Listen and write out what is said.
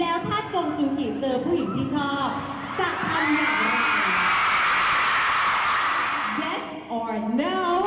แล้วถ้าสงจุงกิเจอผู้หญิงที่ชอบ